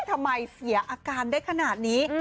ทำไมเสียอาการได้ขนาดนี้